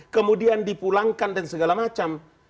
kemudian dipulangkan dan segala macam